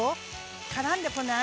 からんでこない？